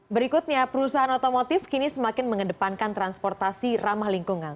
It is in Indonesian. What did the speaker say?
berikutnya perusahaan otomotif kini semakin mengedepankan transportasi ramah lingkungan